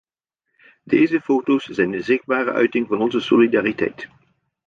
Deze foto's zijn een zichtbare uiting van onze solidariteit.